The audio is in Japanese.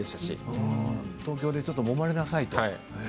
東京で、もまれなさいって。